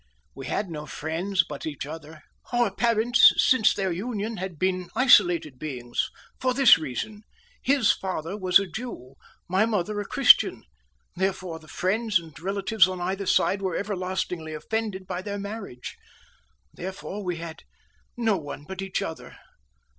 We had no friends but each other. Our parents, since their union, had been isolated beings, for this reason his father was a Jew my mother a Christian therefore the friends and relatives on either side were everlastingly offended by their marriage. Therefore we had no one but each other.